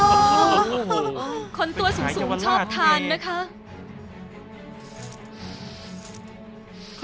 โอ้โหคนตัวสูงชอบทานนะคะ